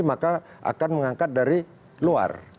maka akan mengangkat dari luar